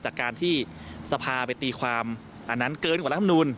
จากการที่สภาไปตีความอันนั้นเกินกว่ารัฐมนูล